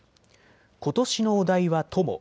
ことしのお題は友。